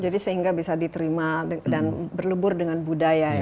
jadi sehingga bisa diterima dan berlebur dengan budaya ya